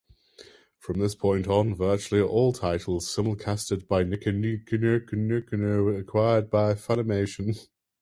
From this point on, virtually all titles simulcasted by Niconico were acquired by Funimation.